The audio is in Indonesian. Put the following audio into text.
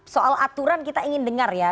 soal aturan kita ingin dengar ya